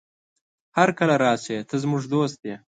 هرکله راشې، ته زموږ دوست يې.